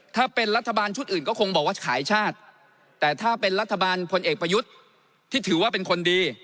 ถ้าเป็นรัฐบาลชุดอื่นก็คงบอกว่าขายชาติแต่ถ้าเป็นรัฐบาลพลเอกประยุทธ์ที่ถือว่าเป็นคนดี